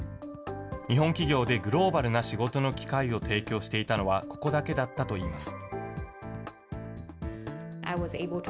日本企業でグローバルな仕事の機会を提供していたのは、ここだけだったといいます。